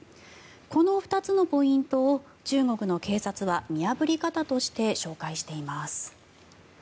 この２つのポイントを中国の警察は見破り方として紹介しています。